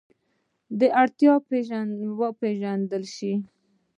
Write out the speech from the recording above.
دا اړتیاوې وپېژندل شي.